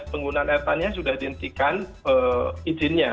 penggunaan air tanahnya sudah dihentikan izinnya